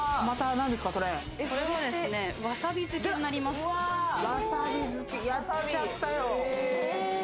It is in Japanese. わさび漬けやっちゃったよ。